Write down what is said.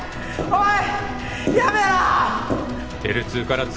おい！